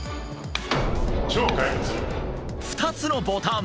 ２つのボタン。